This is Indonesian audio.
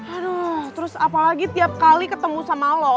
aduh terus apalagi tiap kali ketemu sama lo